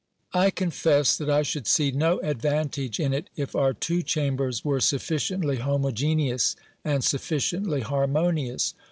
I confess that I should see no advantage in it if our two Chambers were sufficiently homogeneous and sufficiently harmonious.